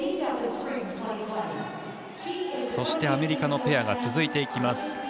そして、アメリカのペアが続いていきます。